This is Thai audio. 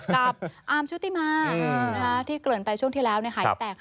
อาร์มชุติมาที่เกริ่นไปช่วงที่แล้วหายแตก